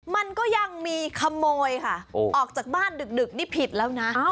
มันก็ยังมีขโมยค่ะออกจากบ้านดึกนี่ผิดแล้วนะ